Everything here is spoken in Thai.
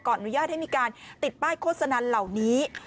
อนุญาตให้มีการติดป้ายโฆษณาเหล่านี้